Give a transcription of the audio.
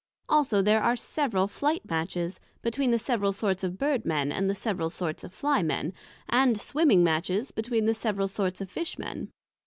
Also there are several Flight matches, between the several sorts of Bird men, and the several sorts of Fly men; and swimming matches, between the several sorts of Fish men.